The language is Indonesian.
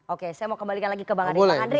oke saya mau kembalikan lagi ke bang andri